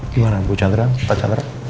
gimana bu chandra pak chandra